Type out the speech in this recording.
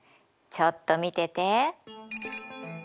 ちょっと見てて！